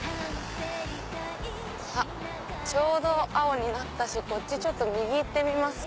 あっちょうど青になったしこっち右行ってみますか。